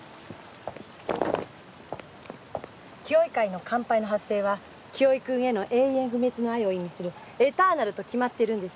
清居会の乾杯の発声は清居君への永遠不滅の愛を意味する「エターナル」と決まってるんです。